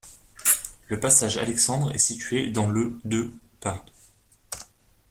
Le passage Alexandre est situé dans le de Paris.